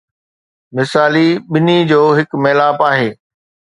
مثالي ٻنهي جو هڪ ميلاپ آهي.